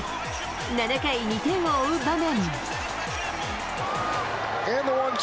７回、２点を追う場面。